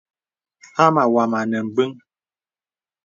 Hāmá wàm ànə bəŋ.